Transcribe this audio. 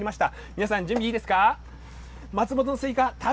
皆さん、準備いいですか？